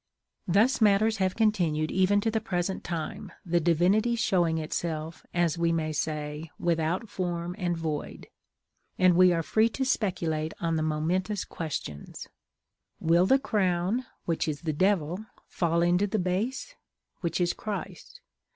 Thus matters have continued even to the present time, the divinity showing itself, as we may say, without form and void; and we are free to speculate on the momentous questions: Will the crown (which is the Devil) fall into the base (which is Christ)?